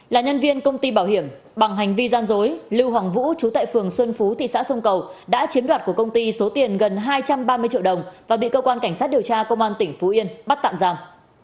là nhân viên công ty bảo hiểm bằng hành vi gian dối lưu hoàng vũ chú tại phường xuân phú thị xã sông cầu đã chiếm đoạt của công ty số tiền gần hai trăm ba mươi triệu đồng và bị cơ quan cảnh sát điều tra công an tỉnh phú yên bắt tạm giam